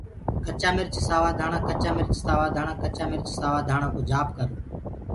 ڪچآ مِرچ سوآ ڌآڻآ ڪچآ مِرچ سآوآ ڌآڻآ ڪچآ مِرچ سآوآ ڌآڻآ ڪو جآپ ڪرو۔